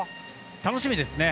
楽しみですね。